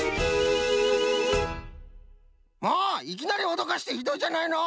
いきなりおどかしてひどいじゃないの！